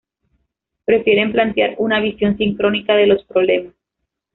Prefieren plantear una visión sincrónica de los problemas.